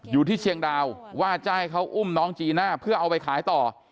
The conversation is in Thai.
อยู่ที่เชียงดาวว่าจะให้เขาอุ้มน้องจีน่าเพื่อเอาไปขายต่อ